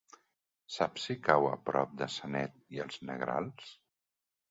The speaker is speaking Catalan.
Saps si cau a prop de Sanet i els Negrals?